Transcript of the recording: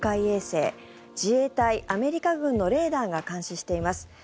衛星自衛隊・アメリカ軍のレーダーが監視しています。